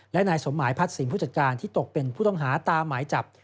และนายสมหมายพัดสินผู้จัดการที่ตกเป็นผู้ต้องหาตามหมายจับ